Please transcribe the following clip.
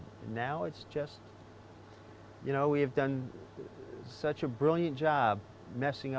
sekarang kita telah melakukan pekerjaan yang sangat bagus untuk memusnahkan bumi